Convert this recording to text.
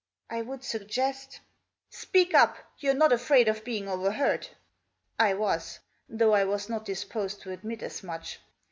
" I would suggest "" Speak up. You're not afraid of being overheard." I was, though I was not disposed to admit as much.